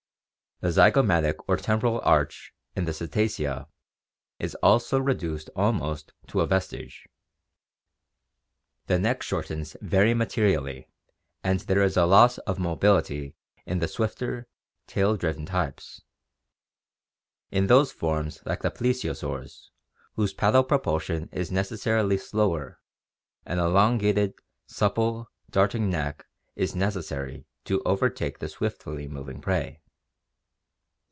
The zygomatic or temporal arch in the Cetacea is also reduced almost to a vestige (see Fig. 70). The neck shortens very materially and there is a loss of mobility in the swifter, tail driven types. In those forms like the plesio saurs, whose paddle propulsion is necessarily slower, an elongated, supple, darting neck is necessary to overtake the swiftly moving prey.